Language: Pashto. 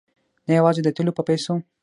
نه یوازې د تېلو په پیسو.